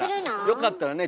よかったらね